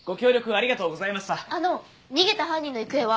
あの逃げた犯人の行方は？